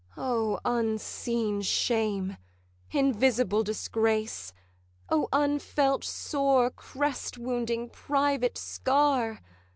'O unseen shame! invisible disgrace! O unfelt sore crest wounding, private scar!